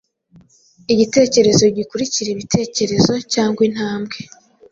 Igitekerezo gikurikira ibitekerezo, cyangwa intambwe